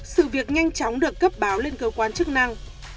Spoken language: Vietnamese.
sự việc nhanh chóng được cấp báo lên cơ quan chức năng